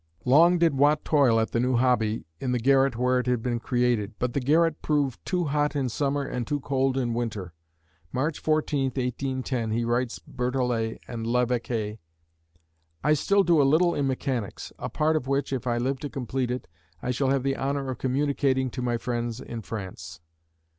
Long did Watt toil at the new hobby in the garret where it had been created, but the garret proved too hot in summer and too cold in winter. March 14, 1810, he writes Berthollet and Levèque: I still do a little in mechanics: a part of which, if I live to complete it, I shall have the honor of communicating to my friends in France.